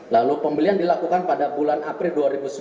lalu pembelian dilakukan pada bulan april dua ribu sembilan belas